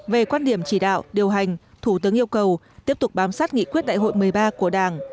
về quan điểm chỉ đạo điều hành thủ tướng yêu cầu tiếp tục bám sát nghị quyết đại hội một mươi ba của đảng